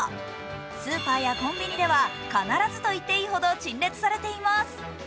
スーパーやコンビニでは必ずといっていいほど陳列されています。